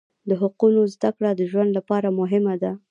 د حقوقو زده کړه د ژوند لپاره مهمه ده.